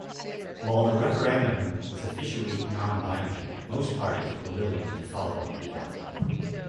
While the referendum was officially non-binding most parties were willing to follow the outcome.